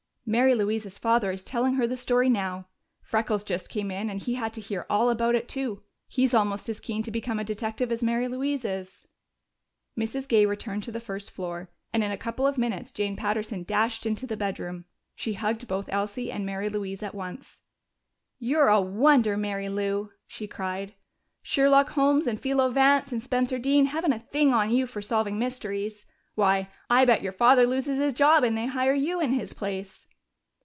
"Mary Louise's father is telling her the story now. Freckles just came in, and he had to hear all about it too. He's almost as keen to become a detective as Mary Louise is." Mrs. Gay returned to the first floor, and in a couple of minutes Jane Patterson dashed into the bedroom. She hugged both Elsie and Mary Louise at once. "You're a wonder, Mary Lou!" she cried. "Sherlock Holmes, and Philo Vance, and Spencer Dean haven't a thing on you for solving mysteries. Why, I bet your father loses his job and they hire you in his place!"